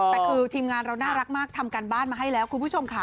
แต่คือทีมงานเราน่ารักมากทำการบ้านมาให้แล้วคุณผู้ชมค่ะ